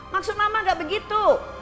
maksud mama gak begitu